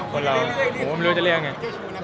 คุณเราก็ไม่รู้ว่าจะเรียกไง